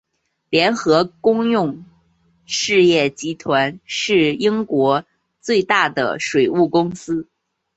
联合公用事业集团是英国最大的水务公司。